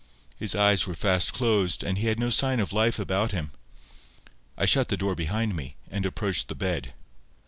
His eyes were fast closed, and he had no sign of life about him. I shut the door behind me, and approached the bed.